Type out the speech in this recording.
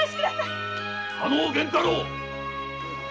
・加納源太郎！